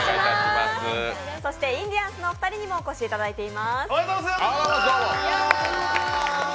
そしてインディアンスのお二人にもお越しいただいています。